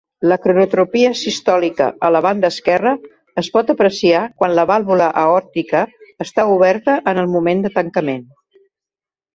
La cronotropia sistòlica a la banda esquerra es pot apreciar quan la vàlvula aòrtica està oberta en el moment de tancament.